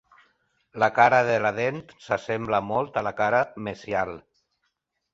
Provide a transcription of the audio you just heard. La cara de la dent s'assembla molt a la cara mesial.